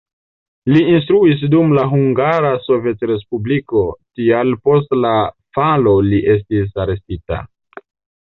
Li instruis dum la Hungara Sovetrespubliko, tial post la falo li estis arestita.